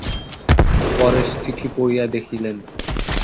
পরেশ চিঠি পড়িয়া দেখিলেন।